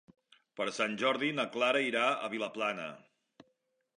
Per Sant Jordi na Clara irà a Vilaplana.